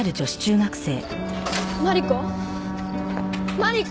マリコ？